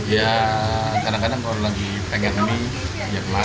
ya kadang kadang kalau lagi pegang mie ya kelar